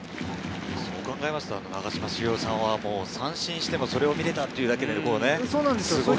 そう考えると長嶋茂雄さんは三振してもそれを見れたっていうだけでもね。